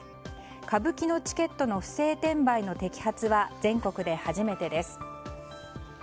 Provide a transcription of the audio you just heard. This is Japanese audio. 歌舞伎のチケットの不正転売の摘発は全国は初めてです。